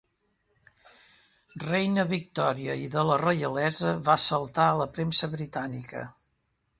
Reina Victòria i de la reialesa va saltar a la premsa britànica.